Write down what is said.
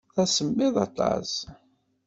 D asemmiḍ aṭas.